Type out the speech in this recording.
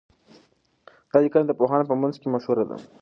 دا لیکنه د پوهانو په منځ کي مشهوره ده.